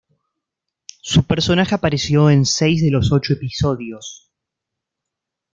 Su personaje apareció en seis de los ocho episodios.